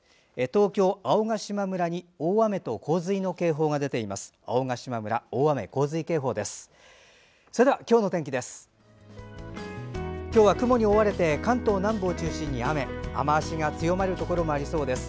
東京・青ヶ島村に大雨と洪水の警報が出ています。